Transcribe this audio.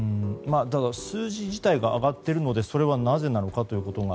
数字自体が上がっているのでそれはなぜなのかということが。